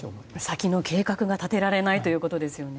先の計画が立てられないということですよね。